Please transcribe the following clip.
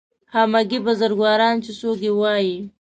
همګي بزرګواران چې څوک یې وایي